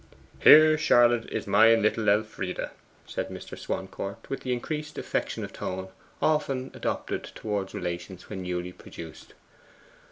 'Here, Charlotte, is my little Elfride,' said Mr. Swancourt, with the increased affection of tone often adopted towards relations when newly produced.